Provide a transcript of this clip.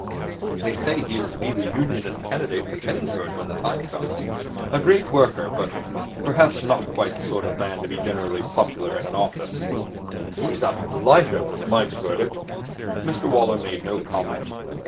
They say he is to be the Unionist candidate for Kenningford when the time comes. A great worker, but perhaps not quite the sort of man to be generally popular in an office.' 'He's a blighter,' was Mike's verdict. Mr Waller made no comment.